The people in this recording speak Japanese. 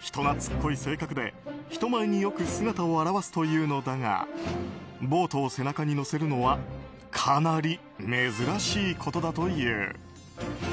人懐っこい性格で、人前によく姿を現すというのだがボートを背中に乗せるのはかなり珍しいことだという。